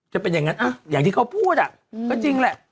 จะเป็นอย่างนั้นอย่างที่เขาพูดก็จริงแหละ